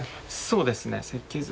そうですね設計図。